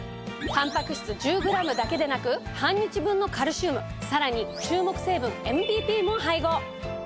たんぱく質１０ｇだけでなく半日分のカルシウムさらに注目成分ＭＢＰも配合。